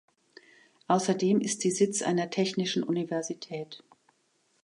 Außerdem ist sie Sitz einer Technischen Universität.